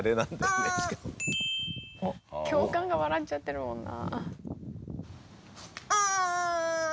教官が笑っちゃってるもんな。